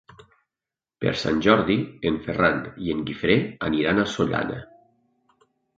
Per Sant Jordi en Ferran i en Guifré aniran a Sollana.